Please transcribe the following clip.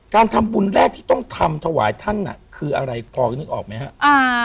การทำบุญแรกที่ต้องทำถวายท่านคืออะไรพอนึกออกไหมครับ